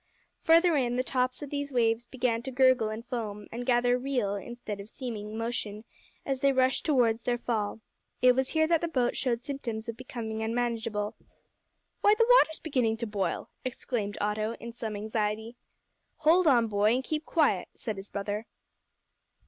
Further in, the tops of these waves began to gurgle and foam, and gather real, instead of seeming, motion, as they rushed towards their fall. It was here that the boat showed symptoms of becoming unmanageable. "Why, the water's beginning to boil!" exclaimed Otto, in some anxiety. "Hold on, boy, and keep quiet," said his brother.